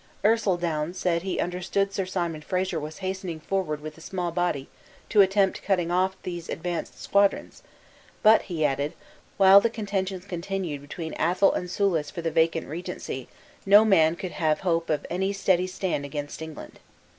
Ercildown said he understood Sir Simon Fraser was hastening forward with a small body to attempt cutting off these advanced squadrons; but, he added, while the contentions continued between Athol and Soulis for the vacant regency, no man could have hope of any steady stand against England.